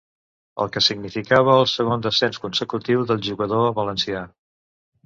El que significava el segon descens consecutiu del jugador valencià.